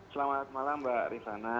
selamat malam mbak rizana